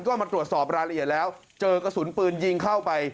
ก็มาตรวจสอบรายละเอียดแล้วเจอกระสุนปืนยิงเข้าไป